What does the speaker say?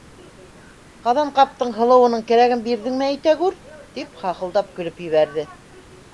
Ҡаҙанҡаптың һылыуының кәрәген бирҙеңме әйтәгүр! — тип хахылдап көлөп ебәрҙе.